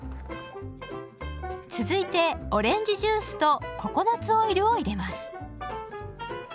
続いてオレンジジュースとココナツオイルを入れます。